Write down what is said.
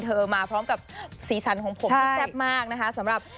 เธอมาพร้อมกับศีลสันของผมแซ่บมากนะค่ะ